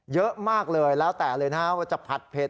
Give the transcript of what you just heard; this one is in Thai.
เยอะมากเลยแล้วแต่เลยนะฮะว่าจะผัดเผ็ด